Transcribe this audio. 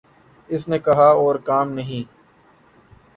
اس نے کہا اور کام نہیں